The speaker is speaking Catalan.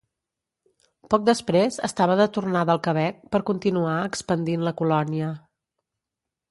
Poc després estava de tornada al Quebec per continuar expandint la colònia.